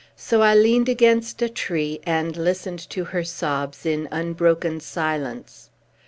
So I leaned against a tree, and listened to her sobs, in unbroken silence.